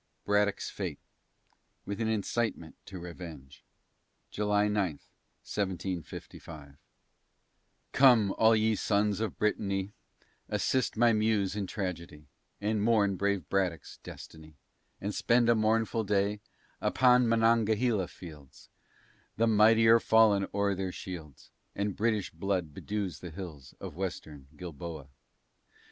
BRADDOCK'S FATE, WITH AN INCITEMENT TO REVENGE [July 9, 1755] Come all ye sons of Brittany, Assist my muse in tragedy, And mourn brave Braddock's destiny, And spend a mournful day, Upon Monongahela fields, The mighty're fallen o'er their shields; And British blood bedews the hills Of western Gilboa.